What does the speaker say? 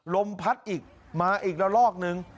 ลมพัดอีกมาอีกละลอกนึง